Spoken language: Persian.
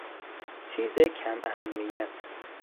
چیز کم اهمیت